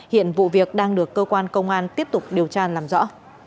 hiện vụ việc đang được cơ quan công an tiếp tục điều tra làm rõ